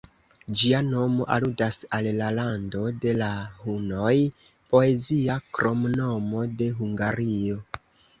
Ĝia nomo aludas al la ""Lando de la Hunoj"", poezia kromnomo de Hungario.